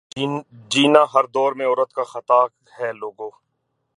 جینا ہر دور میں عورت کا خطا ہے لوگو